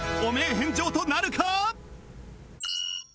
返上となるか？